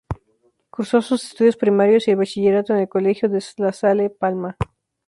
Cursó sus estudios primarios y el Bachillerato en el Colegio La Salle de Palma.